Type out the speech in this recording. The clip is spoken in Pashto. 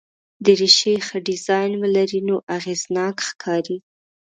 دریشي ښه ډیزاین ولري نو اغېزناک ښکاري.